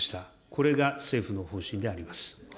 これが政府の方針であります。